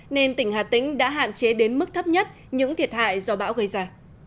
nên tỉnh hà tĩnh đã hạn chế đến mức thấp nhất những thiệt hại do bão gây ra